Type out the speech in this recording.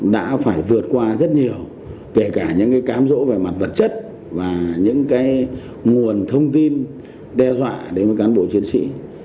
đã phải vượt qua rất nhiều kể cả những cám rỗ về mặt vật chất và những nguồn thông tin đe dọa đến với cán bộ chiến sĩ